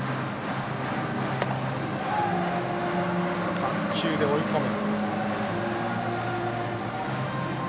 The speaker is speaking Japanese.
３球で追い込む。